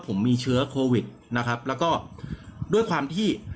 ผมมีเชื้อโควิดนะครับแล้วก็ด้วยความที่